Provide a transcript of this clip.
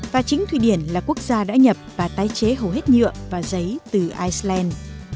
và chính thụy điển là quốc gia đã nhập và tái chế hầu hết nhựa và giấy từ iceland